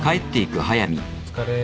お疲れ。